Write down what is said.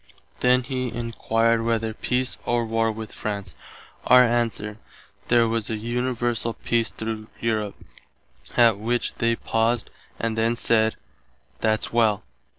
Then he enquired whether peace or war with France. Our answer, there was an universall peace through Europe, att which they paused and then said, "That's well."